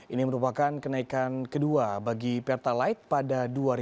ini merupakan kenaikan kedua bagi pertalite pada dua ribu dua puluh